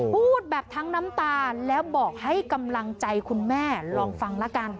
พูดแบบทั้งน้ำตาแล้วบอกให้กำลังใจคุณแม่ลองฟังละกัน